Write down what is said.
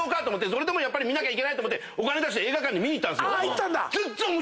それでも見なきゃいけないと思ってお金出して映画館に見に行ったんですよ。